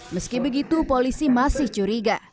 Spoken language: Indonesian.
meski begitu polisi masih curiga